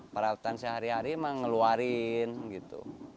peralatan sehari hari mah ngeluarin gitu